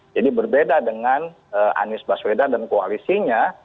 jadi berbeda dengan anies baswedan dan koalisinya